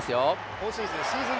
今シーズンシーズン